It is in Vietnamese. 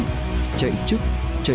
chạy chạy chạy chạy chạy chạy